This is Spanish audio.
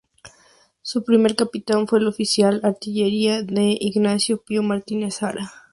Su primer capitán fue el oficial de artillería D. Ignacio Pío Martínez Ara.